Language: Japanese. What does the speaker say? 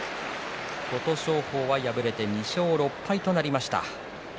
琴勝峰は敗れて２勝６敗となりました。